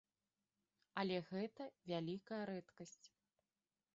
Але гэта вялікая рэдкасць.